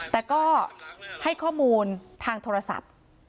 แต่ก็ให้ข้อมูลทางโทรศัพท์